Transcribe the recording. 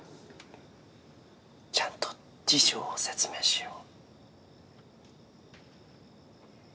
ちゃんと事情を説明しよう。